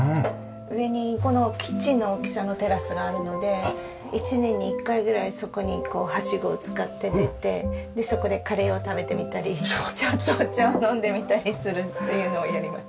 上にこのキッチンの大きさのテラスがあるので１年に１回ぐらいそこにこうはしごを使って出てそこでカレーを食べてみたりちょっとお茶を飲んでみたりするっていうのをやります。